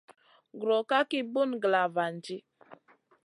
Gro ka ki bùn glavandi.